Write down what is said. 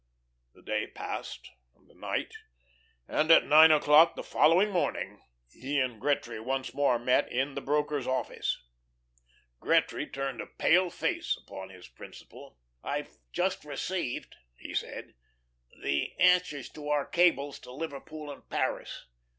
The day passed and the night, and at nine o'clock the following morning, he and Gretry once more met in the broker's office. Gretry turned a pale face upon his principal. "I've just received," he said, "the answers to our cables to Liverpool and Paris.